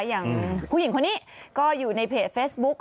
อย่างผู้หญิงคนนี้ก็อยู่ในเพจเฟซบุ๊ก